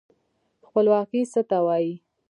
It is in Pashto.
خپلواکي څه ته وايي؟